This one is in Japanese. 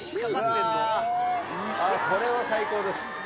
これは最高です。